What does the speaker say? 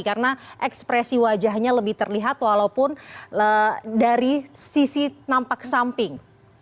karena ekspresi wajahnya lebih terlihat walaupun dari sisi nampak samping